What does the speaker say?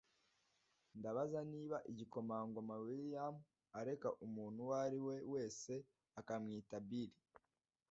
Ndabaza niba igikomangoma William areka umuntu uwo ari we wese akamwita Bill.